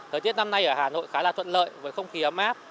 thời tiết năm nay ở hà nội khá là thuận lợi với không khí ấm áp